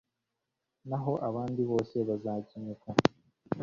naho abandi bose bazakenyuka